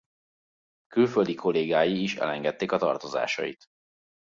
Külföldi kollégái is elengedték a tartozásait.